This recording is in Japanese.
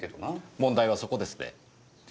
問題はそこですね。